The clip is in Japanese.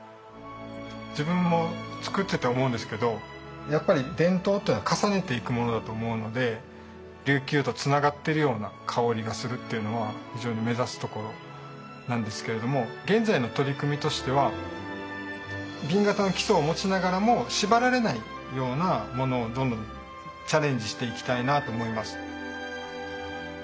自分も作ってて思うんですけどやっぱり伝統っていうのは重ねていくものだと思うので琉球とつながっているような薫りがするっていうのは非常に目指すところなんですけれども現在の取り組みとしては紅型の基礎を持ちながらも縛られないようなものをどんどんチャレンジしていきたいなと思います。